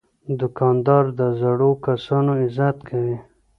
دوکاندار د زړو کسانو عزت کوي.